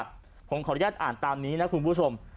ผมขออนุญาตอ่านตามนี้นะคุณผู้ชม